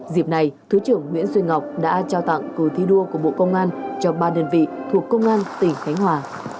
dịp này thứ trưởng nguyễn duy ngọc đã trao tặng cờ thi đua của bộ công an cho ba đơn vị thuộc công an tỉnh khánh hòa